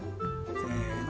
せの。